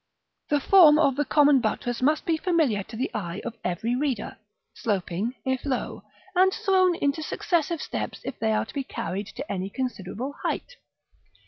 § XI. The form of the common buttress must be familiar to the eye of every reader, sloping if low, and thrown into successive steps if they are to be carried to any considerable height.